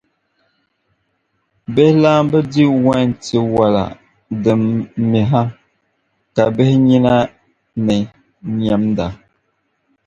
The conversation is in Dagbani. Bihi’ laamba di wain tiwala din miha, ka bihi nyina ni nyɛmda.